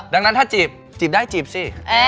ดังนั้นถ้าจีบจีบได้จีบสิ